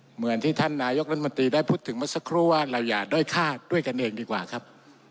เหมือนที่ท่านนายกรัฐมนตรีได้พูดถึงเมื่อสักครู่ว่าเราอย่าด้อยฆ่าด้วยกันเองดีกว่าครับ